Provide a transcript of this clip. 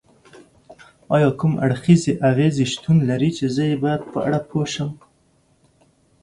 ایا کوم اړخیزې اغیزې شتون لري چې زه یې باید په اړه پوه شم؟